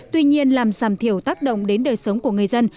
tuy nhiên làm giảm thiểu tác động đến đời sống của người dân